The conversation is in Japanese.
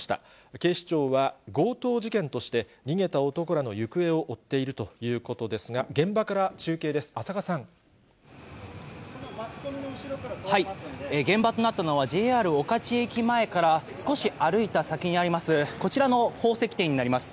警視庁は強盗事件として逃げた男らの行方を追っているということですが、現場から中継です、現場となったのは、ＪＲ御徒町駅前から少し歩いた先にあります、こちらの宝石店になります。